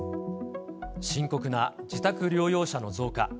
深刻な自宅療養者の増加。